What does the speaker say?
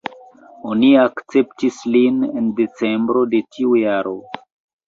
Oni akceptis lin en decembro de tiu jaro.